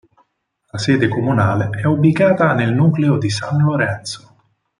La sede comunale è ubicata nel nucleo di San Lorenzo.